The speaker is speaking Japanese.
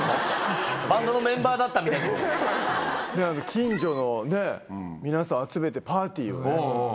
近所のねぇ皆さん集めてパーティーをしようって。